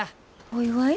お祝い？